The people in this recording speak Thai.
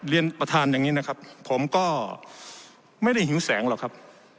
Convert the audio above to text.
เรียนประธานอย่างนี้นะครับผมก็ไม่ได้หิวแสงหรอกครับ